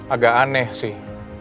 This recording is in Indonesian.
agak aneh sih